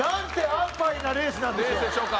安パイなレースなんでしょう。